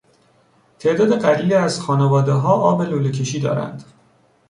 تعداد قلیلی از خانوادهها آب لوله کشی دارند.